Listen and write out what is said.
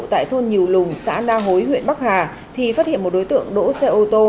tại thôn nhì lùng xã na hối huyện bắc hà thì phát hiện một đối tượng đỗ xe ô tô